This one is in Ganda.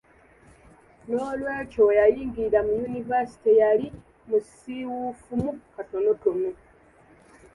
N’olwekyo we yayingirira mu yunivasite yali musiwuufumu katonotono.